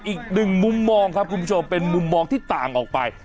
อีกหนึ่งมุมมองครับคุณผู้ชมเป็นมุมมองที่ต่างออกไป